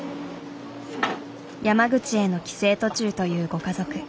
山口への帰省途中というご家族。